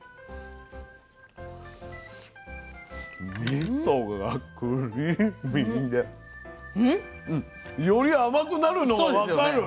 みそがクリーミーでより甘くなるのが分かる。